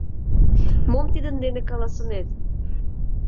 Мом тидын дене каласынет?